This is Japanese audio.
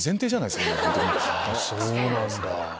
そうなんだ。